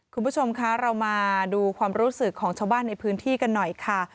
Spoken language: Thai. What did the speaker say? คุณผู้ชมคะเรามาดูความรู้สึกของชาวบ้านในพื้นที่กันหน่อยค่ะ